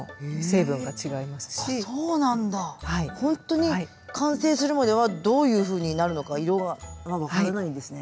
ほんとに完成するまではどういうふうになるのか色が分からないんですね。